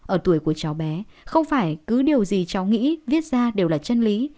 ở tuổi của cháu bé không phải cứ điều gì cháu nghĩ viết ra đều là chân lý